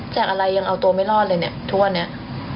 จากอะไรยังเอาตัวไม่รอดเลยเนี่ยทุกวันนี้